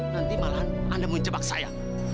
nanti malahan anda menjebak saya